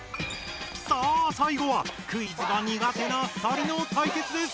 さあさいごはクイズが苦手な２人の対決です！